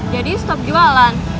jadi stop jualan